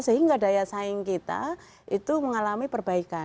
sehingga daya saing kita itu mengalami perbaikan